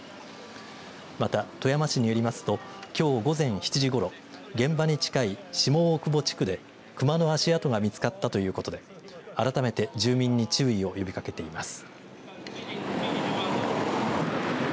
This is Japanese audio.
また富山市によりますときょう午前７時ごろ現場に近い下大久保地区でクマの足跡が見つかったということで改めて住民に注意を呼びかけています。